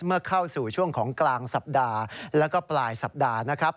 เมื่อเข้าสู่ช่วงของกลางสัปดาห์แล้วก็ปลายสัปดาห์นะครับ